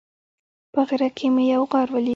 په غره کې مې یو غار ولید